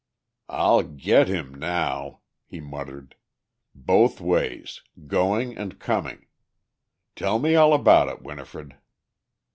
"I'll get him now," he muttered. "Both ways; going and coming! Tell me all about it, Winifred."